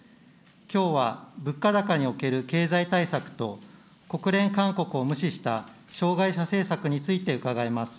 きょうは物価高における経済対策と、国連勧告を無視した障害者政策について伺います。